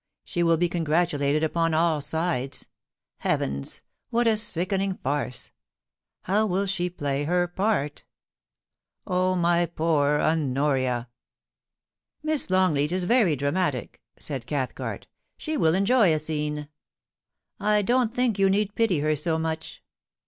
She will be congratulated upon all sides. Heavens ! what a sickening farce ! How will she play her part ? Oh, my poor Honoria !'* Miss Longleat is very dramatic,' said Cathcart ' She will enjoy a scene. I don't think you need pity her so much.